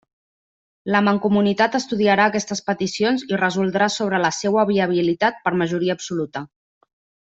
La Mancomunitat estudiarà aquestes peticions i resoldrà sobre la seua viabilitat, per majoria absoluta.